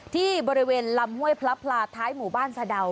ที่บริเวณลำห้วยพลับพลาท้ายหมู่บ้านสะดาว